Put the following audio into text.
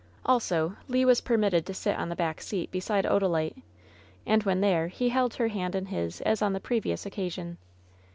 Also, Le was permitted to sit on the back seat 166 LOVE'S BITTEREST CXJP beside Odalite, and when there he held her hand in his as on the previous occasion.